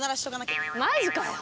マジかよ！？